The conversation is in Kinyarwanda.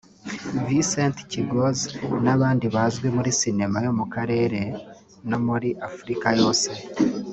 Vincent Kigozi n’abandi bazwi muri Sinema yo mu karere no muri Afurika yose